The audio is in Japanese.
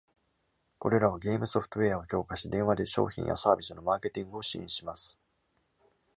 これらはゲームソフトウェアを強化し、電話で商品やサービスのマーケティングを支援します。